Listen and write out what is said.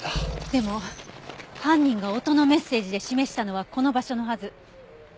でも犯人が音のメッセージで示したのはこの場所のはず。